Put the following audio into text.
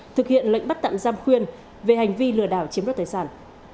thực hiện lệnh bắt tạm giam khuyên về hành vi lừa đảo chiếm đoạt tài sản